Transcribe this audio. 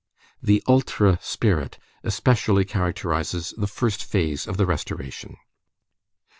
The ultra spirit especially characterizes the first phase of the Restoration.